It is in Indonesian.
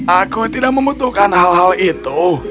aku tidak membutuhkan hal hal itu